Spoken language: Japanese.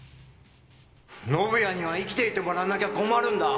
宣也には生きていてもらわなきゃ困るんだ。